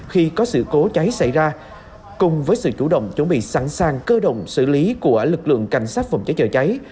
khi có sự cố cháy xảy ra cùng với sự chủ động chuẩn bị sẵn sàng cơ động xử lý của lực lượng cảnh sát phòng cháy chữa cháy